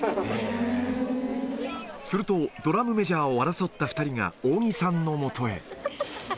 すると、ドラムメジャーを争った２人が、扇さんのもとへ。